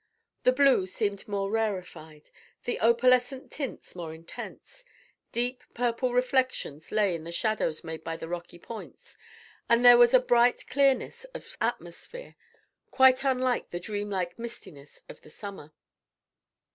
The blue seemed more rarefied, the opalescent tints more intense; deep purple reflections lay in the shadows made by the rocky points, and there was a bright clearness of atmosphere quite unlike the dream like mistiness of the summer.